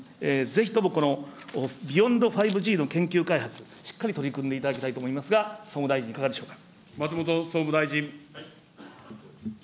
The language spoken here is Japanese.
ぜひともこのＢｅｙｏｎｄ５Ｇの研究開発、しっかり取り組んでいただきたいと思いますが、総務大臣、いかがでしょうか。